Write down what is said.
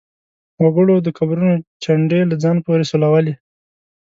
وګړو د قبرونو چنډې له ځان پورې سولولې.